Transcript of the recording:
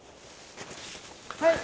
はい！